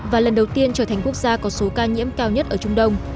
và lần đầu tiên trở thành quốc gia có số ca nhiễm cao nhất ở trung đông